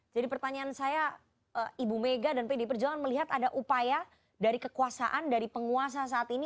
jadi pertanyaan saya ibu mega dan pdip melihat ada upaya dari kekuasaan dari penguasa saat ini